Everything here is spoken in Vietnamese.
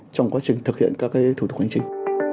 trong quá trình thực hiện các thủ tục hành chính